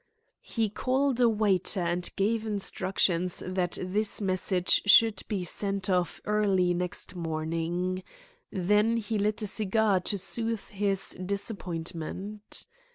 He called a waiter and gave instructions that this message should be sent off early next morning. Then he lit a cigar to soothe his disappointment.